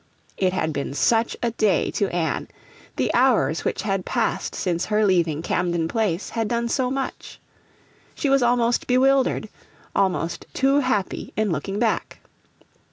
It had been such a day to Anne; the hours which had passed since her leaving Camden Place had done so much! She was almost bewildered almost too happy in looking back.